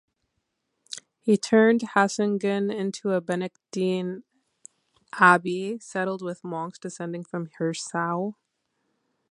He turned Hasungen into a Benedictine abbey, settled with monks descending from Hirsau.